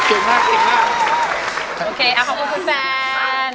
โอเคครบโป้งคุณแฟน